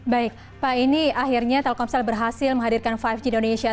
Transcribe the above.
baik pak ini akhirnya telkomsel berhasil menghadirkan lima g indonesia